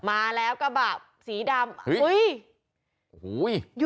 มาแล้วก็แบบสีดำเฮ้ยโอ้โฮย